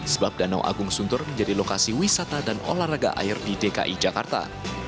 sebab danau agung sunter menjadi lokasi wisata dan olahraga air di dki jakarta